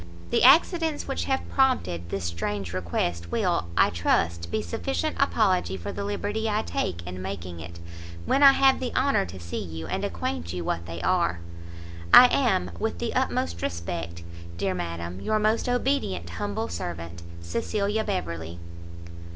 The accidents which have prompted this strange request will, I trust, be sufficient apology for the liberty I take in making it, when I have the honour to see you, and acquaint you what they are. I am, with the utmost respect, Dear Madam, your most obedient humble servant, CECILIA BEVERLEY.